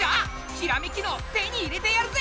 ひらめき脳手に入れてやるぜ！